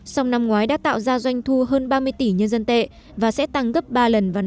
song năm ngoái đã tạo ra doanh thu hơn ba mươi tỷ nhân dân tệ và sẽ tăng gấp ba lần vào năm hai nghìn hai mươi